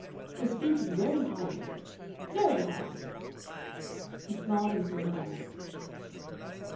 'was speaking very highly of it very highly!'" He smiled into her eyes.